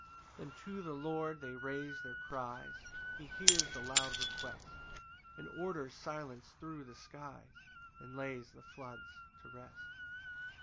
] 5 Then to the Lord they raise their cries, He hears the loud request, And orders silence thro' the skies, And lays the floods to rest.